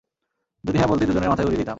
যদি হ্যাঁ বলতি, দুজনের মাথাই উড়িয়ে দিতাম।